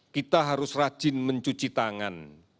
kita harus rajin mencuci tangan